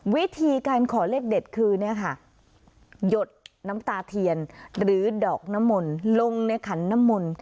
วิธีการขอเลขเด็ดคือเนี่ยค่ะหยดน้ำตาเทียนหรือดอกน้ำมนต์ลงในขันน้ำมนต์